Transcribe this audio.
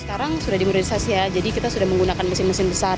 sekarang sudah dimodernisasi ya jadi kita sudah menggunakan mesin mesin besar